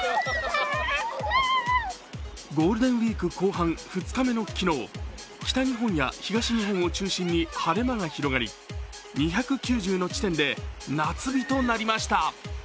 ゴールデンウイーク後半２日目の昨日、北日本や東日本を中心に晴れ間が広がり２９０の地点で、夏日となりました。